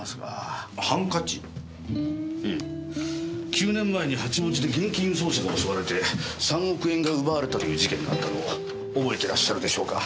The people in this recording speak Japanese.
９年前に八王子で現金輸送車が襲われて３億円が奪われたという事件があったのを覚えてらっしゃるでしょうか？